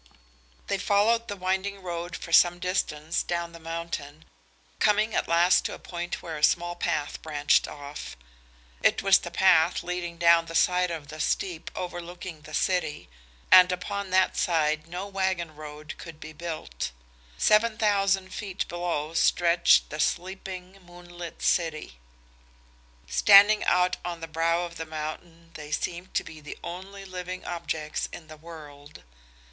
They followed the winding road for some distance down the mountain, coming at last to a point where a small path branched off. It was the path leading down the side of the steep overlooking the city, and upon that side no wagon road could be built. Seven thousand feet below stretched the sleeping, moon lit city. Standing out on the brow of the mountain they seemed to be the only living objects in the world.